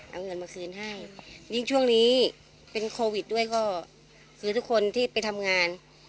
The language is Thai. เอาเงินมาคืนให้ยิ่งช่วงนี้เป็นโควิดด้วยก็คือทุกคนที่ไปทำงาน